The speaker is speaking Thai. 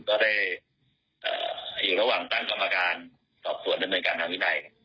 ก็ได้อยู่ระหว่างตั้งกรรมการสอบสวนดำเนินการทางวินัย